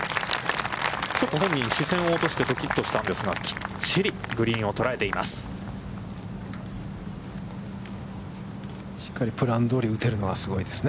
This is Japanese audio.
ちょっと本人、視線を落としてドキッとしたんですが、きっちりグリーンを捉えています。